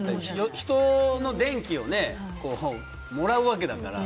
人の電気をもらうわけだから。